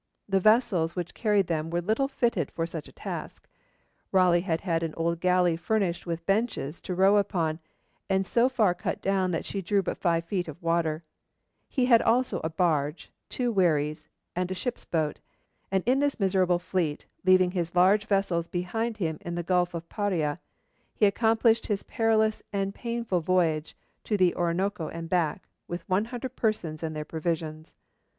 The vessels which carried them were little fitted for such a task. Raleigh had had an old galley furnished with benches to row upon, and so far cut down that she drew but five feet of water; he had also a barge, two wherries, and a ship's boat, and in this miserable fleet, leaving his large vessels behind him in the Gulf of Paria, he accomplished his perilous and painful voyage to the Orinoco and back, with one hundred persons and their provisions.